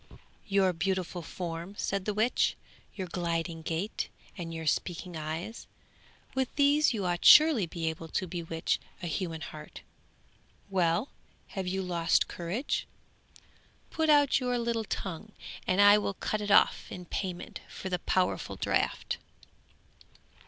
'Your beautiful form,' said the witch, 'your gliding gait, and your speaking eyes; with these you ought surely to be able to bewitch a human heart. Well! have you lost courage? Put out your little tongue, and I will cut it off in payment for the powerful draught.'